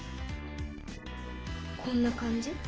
こんな感じ？